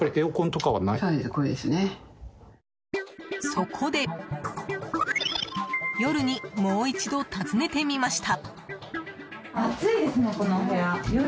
そこで夜にもう一度訪ねてみました。